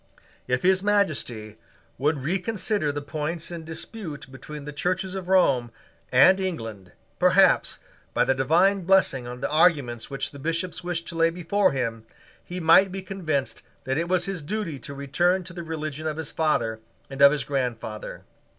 If His Majesty would reconsider the points in dispute between the Churches of Rome and England, perhaps, by the divine blessing on the arguments which the Bishops wished to lay before him, he might be convinced that it was his duty to return to the religion of his father and of his grandfather.